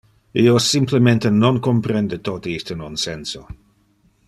Io simplemente non comprende tote iste nonsenso.